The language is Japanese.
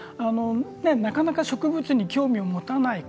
なかなか植物に興味を持たない方